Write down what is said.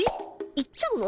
行っちゃうの？